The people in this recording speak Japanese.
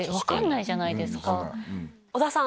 小田さん